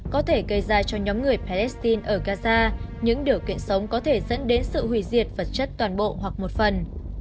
có thể gây ra cho nhóm người palestine ở gaza những điều kiện sống có thể dẫn đến sự hủy diệt vật chất toàn bộ hoặc một phần